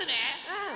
うん！